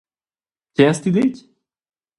Tgei has ti detg?